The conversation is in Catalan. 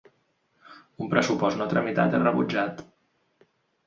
Un pressupost no tramitat és rebutjat.